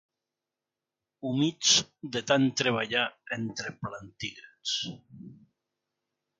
Humits de tant treballar entre plantígrads.